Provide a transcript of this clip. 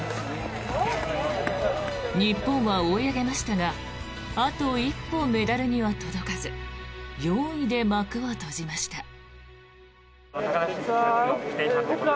日本は追い上げましたがあと一歩メダルには届かず４位で幕を閉じました。